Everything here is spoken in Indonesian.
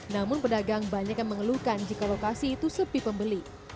namun pedagang banyak yang mengeluhkan jika lokasi itu sepi pembeli